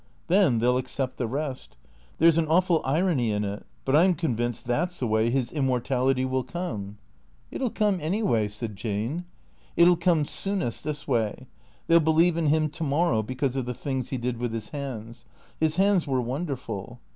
Then they '11 accept the rest. There's an awful irony in it, but I 'm convinced that 's the way his immortality will come." " It '11 come anyway," said Jane. " It '11 come soonest this way. They '11 believe in him to morrow, because of the things he did with his hands. His hands were wonderful.